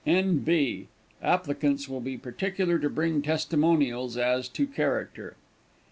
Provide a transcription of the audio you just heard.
N.B. Applicants will be particular to bring testimonials as to character.